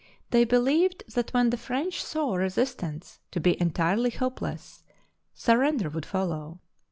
They believed that when the French saw re sistance to be entirely hopeless surrender would follow.